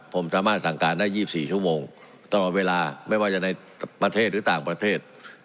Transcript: ผมสามารถสั่งการได้๒๔ชั่วโมงตลอดเวลาไม่ว่าจะในประเทศหรือต่างประเทศ